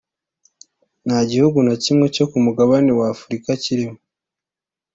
nta gihugu na kimwe cyo ku mugabane wa Afurika kirimo